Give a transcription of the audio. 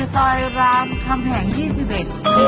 ที่ซอยร้านคำแห่งที่๑๑